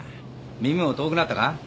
耳も遠くなったか？